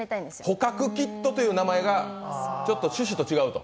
捕獲キットという名前が、ちょっと趣旨と違うと。